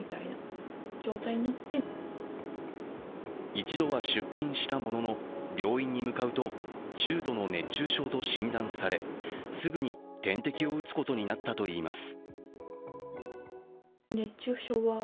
一度は出勤したものの、病院に向かうと中度の熱中症と診断されすぐに点滴を打つことになったといいます。